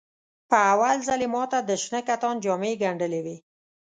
په اول ځل یې ماته د شنه کتان جامې ګنډلې وې.